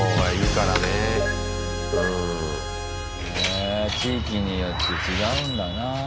へ地域によって違うんだなぁ。